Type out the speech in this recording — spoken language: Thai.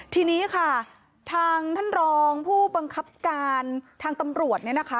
ทีนี้ค่ะทางท่านรองผู้บังคับการทางตำรวจเนี่ยนะคะ